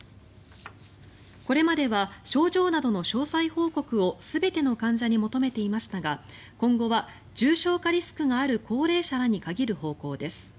これまでは症状などの詳細報告を全ての患者に求めていましたが今後は重症化リスクがある高齢者らに限る方向です。